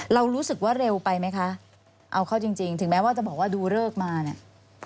เรารู้สึกว่าเร็วไปไหมคะเอาเข้าจริงจริงถึงแม้ว่าจะบอกว่าดูเลิกมาเนี่ย